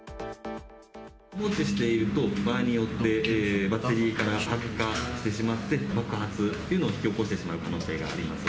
放置していると、場合によって、バッテリーから発火してしまって、爆発というのを引き起こしてしまう可能性があります。